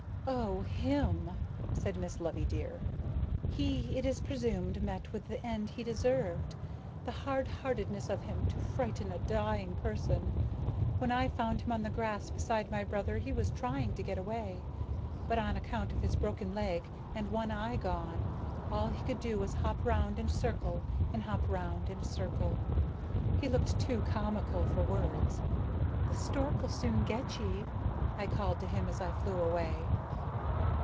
"Oh, him," said Miss Loveydear. "He, it is presumed, met with the end he deserved. The hard heartedness of him, to frighten a dying person! When I found him on the grass beside my brother, he was trying to get away. But on account of his broken leg and one eye gone, all he could do was hop round in a circle and hop round in a circle. He looked too comical for words. 'The stork'll soon get ye,' I called to him as I flew away."